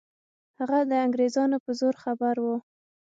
هغه د انګریزانو په زور خبر وو.